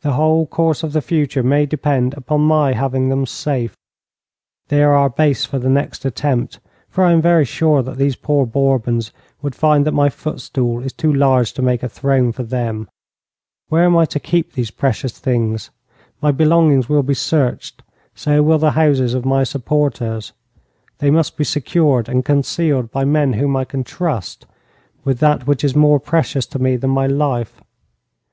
'The whole course of the future may depend upon my having them safe. They are our base for the next attempt for I am very sure that these poor Bourbons would find that my footstool is too large to make a throne for them. Where am I to keep these precious things? My belongings will be searched so will the houses of my supporters. They must be secured and concealed by men whom I can trust with that which is more precious to me than my life.